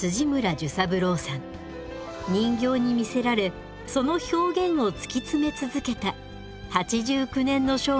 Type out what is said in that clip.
人形に魅せられその表現を突き詰め続けた８９年の生涯でした。